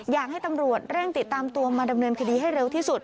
อยากให้ตำรวจเร่งติดตามตัวมาดำเนินคดีให้เร็วที่สุด